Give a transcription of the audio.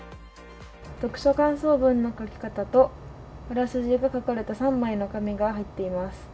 読書感想文の書き方とあらすじが書かれた３枚の紙が入っています。